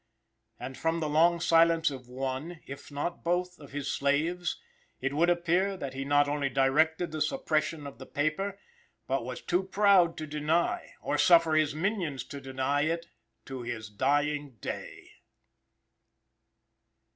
And, from the long silence of one, if not both, of his slaves, it would appear, that he not only directed the suppression of the paper, but was too proud to deny, or suffer his minions to deny, it to his dying day.